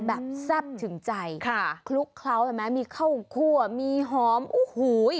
แบบแซ่บถึงใจคลุกเคล้ามีข้าวคั่วมีหอมโอ้โห